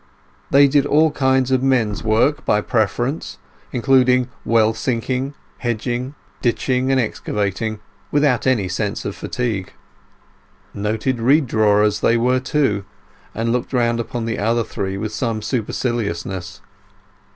They did all kinds of men's work by preference, including well sinking, hedging, ditching, and excavating, without any sense of fatigue. Noted reed drawers were they too, and looked round upon the other three with some superciliousness.